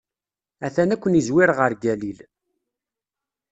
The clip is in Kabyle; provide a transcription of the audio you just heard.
A-t-an ad ken-izwir ɣer Galil.